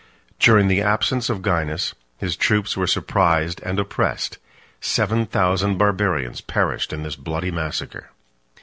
During the absence of Gainas, his troops were surprised and oppressed; seven thousand Barbarians perished in this bloody massacre.